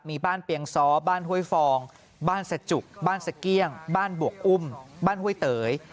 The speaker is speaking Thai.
มีบ้านเปียงซ้อบ้านห้วยฟองบ้านสจุกบ้านสเกี้ยงบ้านบวกอุ้มบ้านห้วยเตย